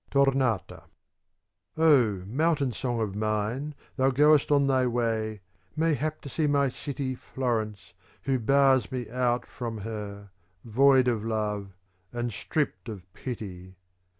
Tomata Oh mountain song of mine, thou goest on thy way, mayhap to see my city Florence who bars me out from her, void of love and stripped of pity.